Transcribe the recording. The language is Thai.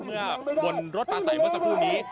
เมื่อบนรถตาใสเมื่อสักครู่นี้